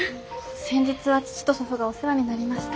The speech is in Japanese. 先日は父と祖父がお世話になりました。